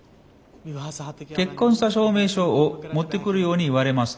結婚した証明書を持ってくるように言われました。